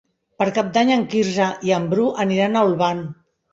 Per Cap d'Any en Quirze i en Bru aniran a Olvan.